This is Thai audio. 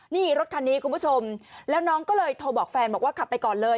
นี่รถคันนี้คุณผู้ชมแล้วน้องก็เลยโทรบอกแฟนบอกว่าขับไปก่อนเลย